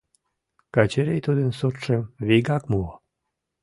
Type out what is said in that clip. Качырий тудын суртшым вигак муо.